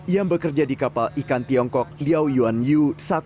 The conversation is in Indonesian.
yang bekerja di kapal ikan tiongkok liaoyuan yu satu ratus tiga